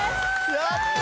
やった！